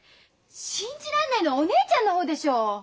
信じられないのはお姉ちゃんの方でしょう！